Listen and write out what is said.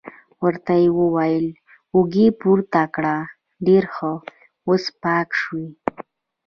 ورته یې وویل: اوږې پورته کړه، ډېر ښه، اوس پاک شوې.